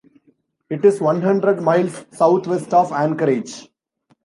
It is one hundred miles southwest of Anchorage.